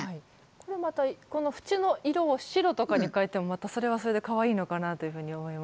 これまたこの縁の色を白とかに変えてもまたそれはそれでかわいいのかなというふうに思いました。